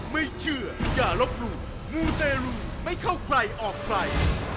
ไม่เชื่ออย่าลบหลู่มูเตรลูไม่เข้าใครออกใคร